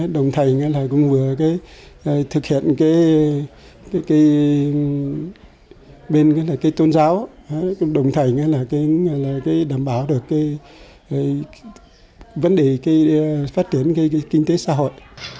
đồng thành cũng vừa thực hiện bên tôn giáo đồng thành đảm bảo được vấn đề phát triển kinh tế xã hội